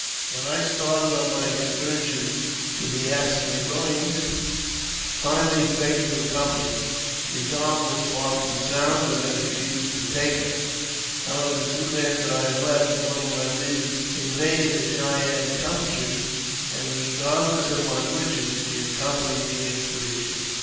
When I started on my excursion to the As ne boines, Pine Leaf begged to accompany me. Her arm was far from sound, and I refused to take her. However, soon after I had left, one of my leaders invaded the Cheyenne country, and, regard less of my wishes, she accompanied the expedition.